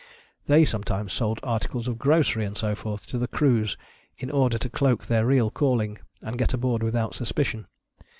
They sometimes sold articles of grocery, and so forth, to the crews, in order to cloak their real calling, and get aboard without suspicion.